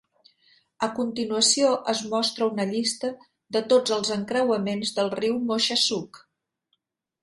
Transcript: A continuació es mostra una llista de tots els encreuaments del riu Moshassuck.